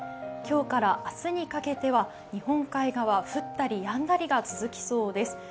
今日から明日にかけては日本海側降ったりやんだりが続きそうです。